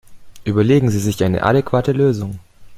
Überlegen Sie sich eine adäquate Lösung!